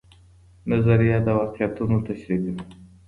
نظریه د واقعیتونو تشریح کوي.